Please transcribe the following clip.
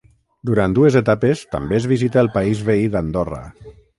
Durant dues etapes també es visita el país veí d'Andorra.